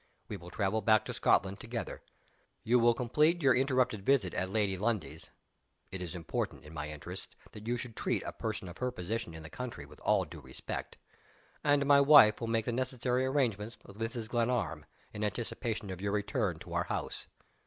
We will travel back to Scotland together. You will complete your interrupted visit at Lady Lundie's (it is important, in my interests, that you should treat a person of her position in the county with all due respect); and my wife will make the necessary arrangements with Mrs. Glenarm, in anticipation of your return to our house.